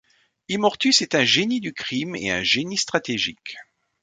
Immortus est un génie du crime et un génie stratégique.